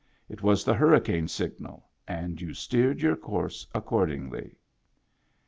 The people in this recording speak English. It was the hurricane signal and you steered your course accordingly.